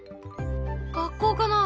学校かな？